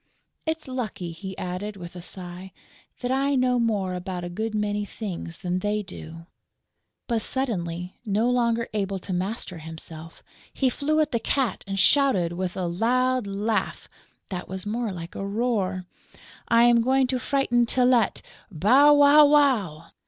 It's lucky," he added, with a sigh, "that I know more about a good many things than they do!" But suddenly, no longer able to master himself, he flew at the Cat and shouted, with a loud laugh that was more like a roar: "I'm going to frighten Tylette! Bow, wow, wow!"